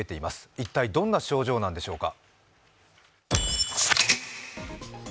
一体どんな症状なんでしょうか。